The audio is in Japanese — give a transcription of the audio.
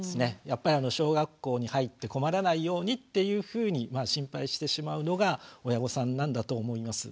やっぱり小学校に入って困らないようにっていうふうに心配してしまうのが親御さんなんだと思います。